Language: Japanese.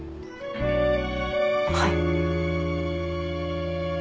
はい。